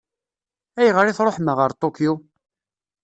Ayɣer i tṛuḥem ɣer Tokyo?